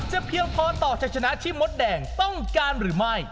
เพียงพอต่อชัยชนะที่มดแดงต้องการหรือไม่